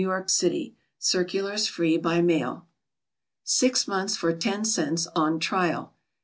Y. City. Circulars free by mail. 6 months for 10 cents, on trial.